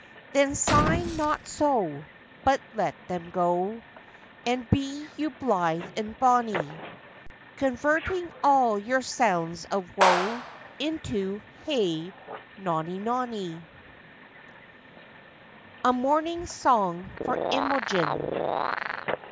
Then sigh not so, But let them go, And be you blithe and bonny, Converting all your sounds of woe Into, Hey nonny, nonny. William Shakespeare. A MORNING SONG FOR IMOGEN.